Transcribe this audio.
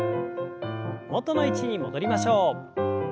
元の位置に戻りましょう。